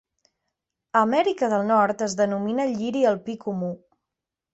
A Amèrica del Nord es denomina "lliri alpí comú".